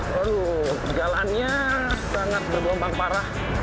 waduh jalannya sangat bergelombang parah